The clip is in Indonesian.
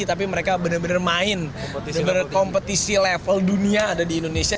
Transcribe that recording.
tapi mereka benar benar main benar benar kompetisi level dunia ada di indonesia